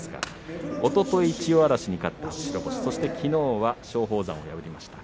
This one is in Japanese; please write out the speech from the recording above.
おととい千代嵐に勝って白星、そしてきのうは松鳳山を破りました。